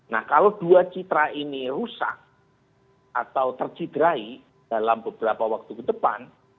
nah kalau dua citra ini rusak atau tercidrai dalam beberapa waktu ke depan